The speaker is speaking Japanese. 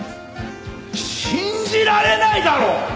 信じられないだろ！